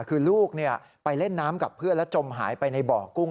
คือลูกไปเล่นน้ำกับเพื่อนแล้วจมหายไปในบ่อกุ้ง